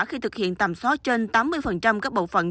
khi thực hiện tầm xóa trên tám mươi các bộ phận